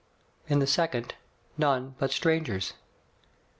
In the second, none but strangers.